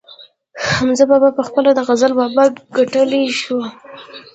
حمزه بابا پخپله د غزل بابا ګڼلی شو